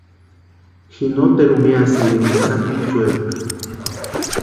Ji noteruni miasïnka énkani sapichuepka.